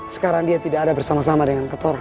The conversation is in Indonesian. sekarang dia tidak ada bersama sama dengan ketor